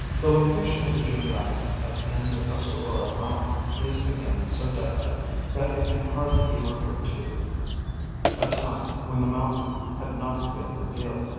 The location of the Juniata at the end of Tuscarora mountain is again so definite that it can hardly be referred to a time when the mountain had not been revealed.